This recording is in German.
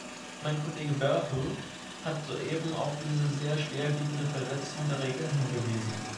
Mein Kollege Berthu hat soeben auf diese sehr schwerwiegende Verletzung der Regeln hingewiesen.